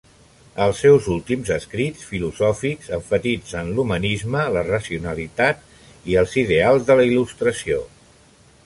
Els seus últims escrits filosòfics emfasitzen l'humanisme, la racionalitat i els ideals de la Il·lustració.